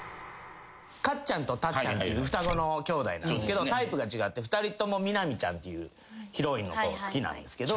カッちゃんとタッちゃんっていう双子の兄弟なんですけどタイプが違って２人とも南ちゃんっていうヒロインの子を好きなんですけど。